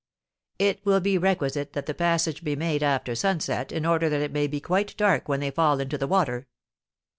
'It will be requisite that the passage be made after sunset, in order that it may be quite dark when they fall into the water.'